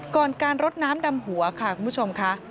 ก่อนการรดน้ำดำหัวค่ะคุณผู้ชมค่ะ